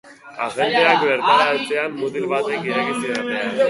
Agenteak bertara heltzean, mutil batek ireki zien atea.